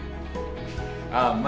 ああ。